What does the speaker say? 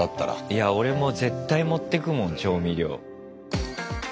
いや俺も絶対持ってくもん調味料。